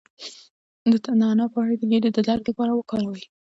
د نعناع پاڼې د ګیډې د درد لپاره وکاروئ